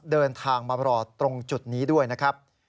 เดินทางมารอตรงจุดนี้ด้วยนะครับ